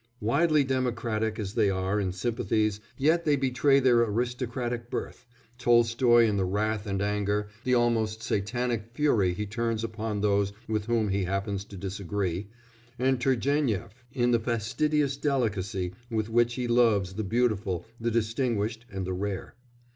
Widely democratic as they are in sympathies they yet betray their aristocratic birth Tolstoy in the wrath and anger, the almost Satanic fury he turns upon those with whom he happens to disagree, and Turgénief in the fastidious delicacy with which he loves the beautiful, the distinguished, and the rare.